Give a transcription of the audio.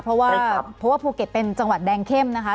เพราะว่าภูเก็ตเป็นจังหวัดแดงเข้มนะคะ